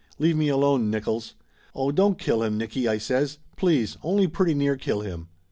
"Leave me alone, Nickolls!" "Oh, don't kill him, Nicky !" I says. "Please ! Only pretty near kill him!"